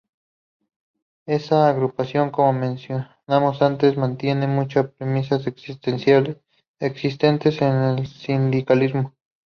Esa agrupación, como mencionamos antes, mantiene muchas premisas existentes en el sindicalismo.